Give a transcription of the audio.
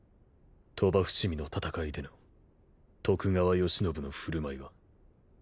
鳥羽伏見の戦いでの徳川慶喜の振る舞いは。